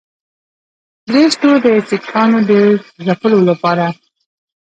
بریسټو د سیکهانو د ځپلو لپاره.